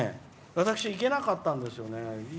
私、行けなかったんですよね。